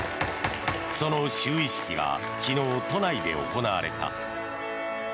その就位式が昨日都内で行われた。